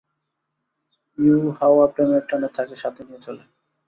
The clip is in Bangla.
ইউহাওয়া প্রেমের টানে তাকে সাথে নিয়ে চলে।